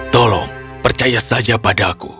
tolong percaya saja padaku